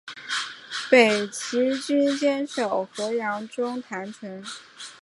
北齐军坚守河阳中潭城。